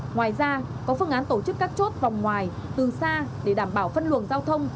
ngoài ra có phương án tổ chức các chốt vòng ngoài từ xa để đảm bảo phân luồng giao thông